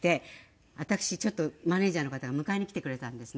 私ちょっとマネジャーの方が迎えに来てくれたんですね。